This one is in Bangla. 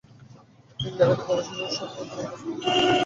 তিনি লেখাটি প্রকাশের জন্য সম্পাদক উমেশ চন্দ্র বরাবর প্রেরণ করেন।